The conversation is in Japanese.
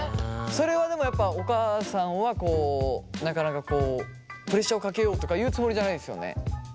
それはでもやっぱお母さんはこうプレッシャーをかけようとかいうつもりじゃないですよね？